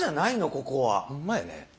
ここは。ほんまやね。